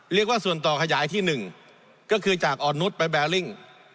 เรียกว่าส่วนต่อขยายที่๑ก็คือจากอ่อนนุษย์ไปแบริ่ง